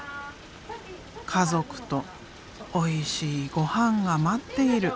家族とおいしいごはんが待っている。